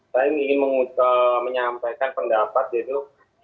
saya ingin menyampaikan pendapat yaitu